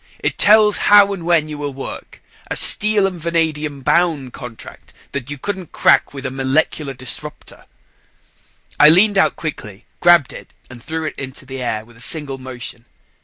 "It tells how and when you will work. A steel and vanadium bound contract that you couldn't crack with a molecular disruptor." I leaned out quickly, grabbed it and threw it into the air with a single motion.